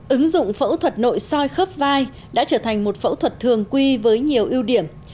ứng dụng phẫu thuật nội soi khớp vai đã trở thành một phẫu thuật thường quy với nhiều ưu điểm